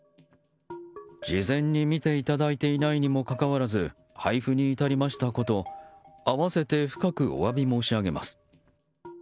事前に見ていただいていないにもかかわらず配布に至りましたこと合わせて深くお詫び申し上げます。